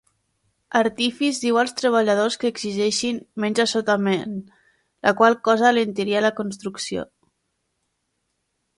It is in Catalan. Artifis diu als treballadors que exigeixin menys assotament, la qual cosa alentiria la construcció.